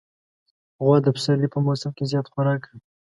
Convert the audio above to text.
غوا د پسرلي په موسم کې زیات خوراک کوي.